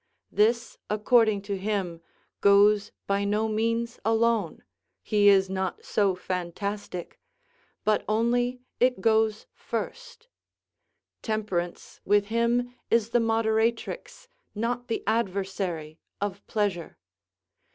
This, according to him, goes by no means alone he is not so fantastic but only it goes first; temperance with him is the moderatrix, not the adversary of pleasure.